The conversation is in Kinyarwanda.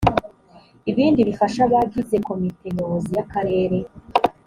ibindi bifasha abagize komite nyobozi y akarere